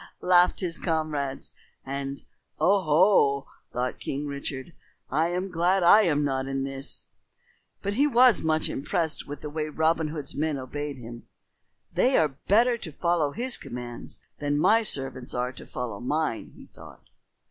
laughed his comrades, and "O ho!" thought King Richard, "I am glad I am not in this." But he was much impressed with the way Robin Hood's men obeyed him. "They are better to follow his commands than my servants are to follow mine," he thought.